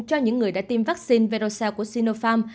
cho những người đã tiêm vaccine verocell của sinopharm